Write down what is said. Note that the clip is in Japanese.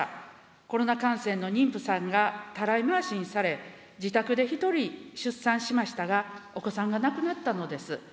コロナ感染の妊婦さんがたらい回しにされ、自宅で一人出産しましたが、お子さんが亡くなったのです。